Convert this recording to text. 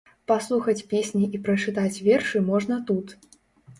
Паслухаць песні і прачытаць вершы можна тут.